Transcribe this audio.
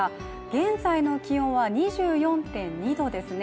現在の気温は２４．２度ですね